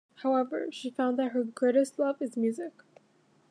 However, she found that her greatest love is music.